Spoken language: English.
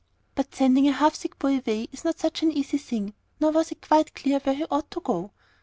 But sending a half sick boy away is not such an easy thing, nor was it quite clear where he ought to go.